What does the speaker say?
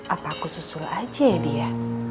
apa aku susul aja dia